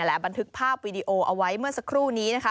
และบันทึกภาพวีดีโอเอาไว้เมื่อสักครู่นี้นะคะ